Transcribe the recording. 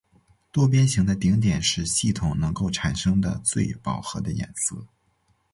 多边形的顶点是系统能够产生的最饱和的颜色。